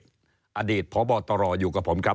อดีตพบตรอยู่กับผมครับ